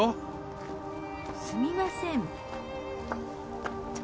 すみません。